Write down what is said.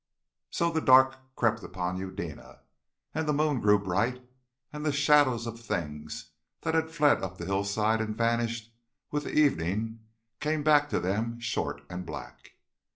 So the dark crept upon Eudena, and the moon grew bright, and the shadows of things that had fled up the hillside and vanished with the evening came back to them short and black.